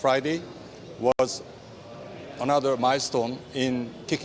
perang yang membuat kita berpikir